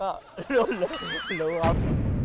ก็รู้ครับ